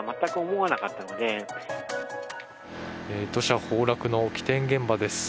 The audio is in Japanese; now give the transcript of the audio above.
土砂崩落の起点現場です。